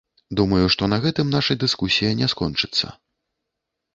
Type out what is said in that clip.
Думаю, што на гэтым наша дыскусія не скончыцца.